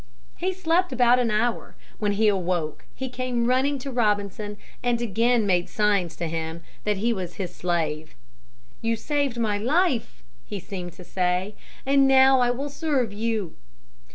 He slept about an hour; when he awoke he came running to Robinson and again made signs to him that he was his slave. "You saved my life," he seemed to say, "and now I will serve you."